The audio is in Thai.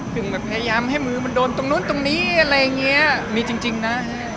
ก็พยายามให้มือมันโดนตรงนู้นจริงนะ